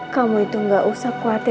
kamu itu gak usah khawatir